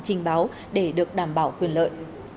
trình báo để được đảm bảo quyền lợi